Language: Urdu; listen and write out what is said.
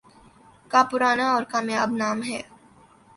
کا پرانا اور کامیاب نام ہے